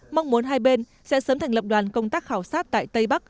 mong muốn hai bên sẽ sớm thành lập đoàn công tác khảo sát tại tây bắc